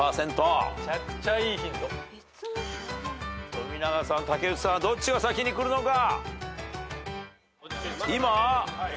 富永さん竹内さんどっちが先にくるのか？